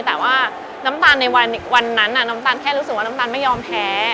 แต่ว่าน้ำตาลในวันนั้นน้ำตาลแค่รู้สึกว่าน้ำตาลไม่ยอมแพ้